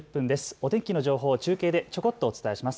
お天気の情報を中継でちょこっとお伝えします。